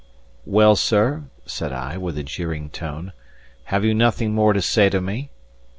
"Well, sir," said I, with a jeering tone, "have you nothing more to say to me?"